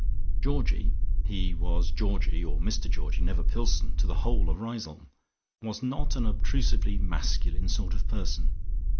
Georgie (he was Georgie or Mr Georgie, never Pillson to the whole of Riseholme) was not an obtrusively masculine sort of person.